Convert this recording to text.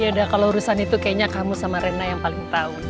yaudah kalau urusan itu kayaknya kamu sama rena yang paling tahu deh